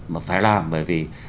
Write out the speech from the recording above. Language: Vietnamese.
mà phải làm bởi vì